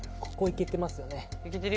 ここ行けてますよね。